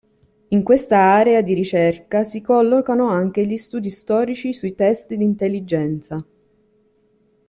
In questa area di ricerca si collocano anche gli studi storici sui test d’intelligenza.